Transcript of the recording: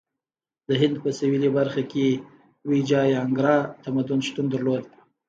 د هند په سویلي برخه کې ویجایاناګرا تمدن شتون درلود.